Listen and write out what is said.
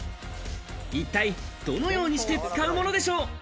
一体どのようにして使うものでしょう。